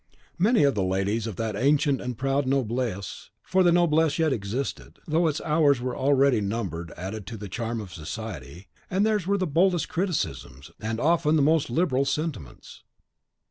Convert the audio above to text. Many of the ladies of that ancient and proud noblesse for the noblesse yet existed, though its hours were already numbered added to the charm of the society; and theirs were the boldest criticisms, and often the most liberal sentiments.